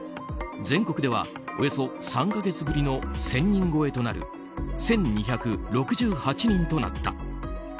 全国では、およそ３か月ぶりの１０００人超えとなる１２６８人となった。